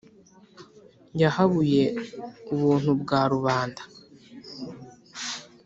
yahabuye ubuntu bwa rubanda.